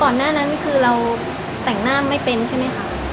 หน้านั้นคือเราแต่งหน้าไม่เป็นใช่ไหมคะ